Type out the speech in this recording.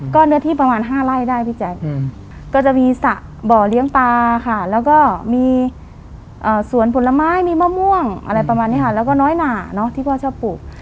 ก็เนื้อที่ประมาณ๕ไร่ได้พี่แจ๊คก็จะมีสระบ่อเลี้ยงปลาค่ะแล้วก็มีสวนผลไม้มีมะม่วงอะไรประมาณนี้ค่ะแล้วก็น้อยหนาเนอะที่พ่อชอบปลูก